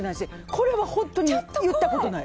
これは本当に言ったことない。